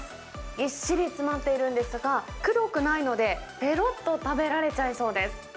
ぎっしり詰まっているんですが、くどくないので、ぺろっと食べられちゃいそうです。